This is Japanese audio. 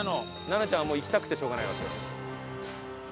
菜那ちゃんはもう行きたくてしょうがないわけよ。